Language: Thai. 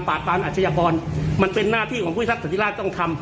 ปรามอาชญากรมันเป็นหน้าที่ของผู้พิทักษิราชต้องทำ